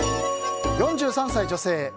４３歳女性。